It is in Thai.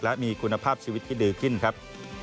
และมีคุณภาพชีวิตที่ดีขึ้นครับ